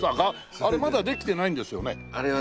あれまだできてないんですよね？